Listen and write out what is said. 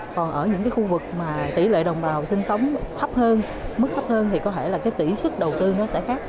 còn ở những khu vực mà tỷ lệ đồng bào sinh sống hấp hơn mức hấp hơn thì có thể là tỷ suất đầu tư nó sẽ khác